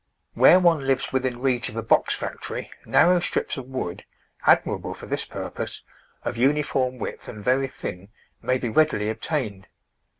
Where one lives within reach of a box factory narrow strips of wood — admirable for this purpose— of uniform width and very thin, may be readily obtained.